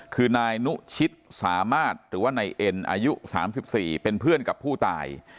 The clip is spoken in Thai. คือนายนุชิตสามารถหรือว่านายเอ็นอายุ๓๔เป็นเพื่อนกับผู้ตาย